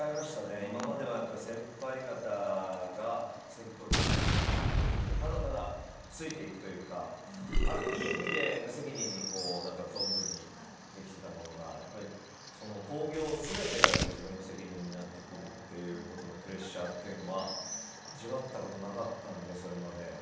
今までは先輩方が先頭を切って走ってくださっているのに、ただただついていくというか、いい意味で無責任に存分にできていたものがやっぱり興行すべてが自分の責任になってくるということのプレッシャーというのは味わったことがなかったのでそれまで。